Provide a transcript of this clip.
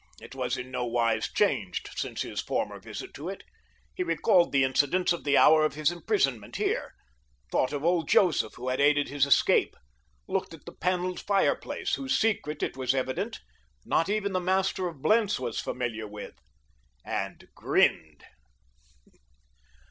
It was in no wise changed since his former visit to it. He recalled the incidents of the hour of his imprisonment here, thought of old Joseph who had aided his escape, looked at the paneled fireplace, whose secret, it was evident, not even the master of Blentz was familiar with—and grinned.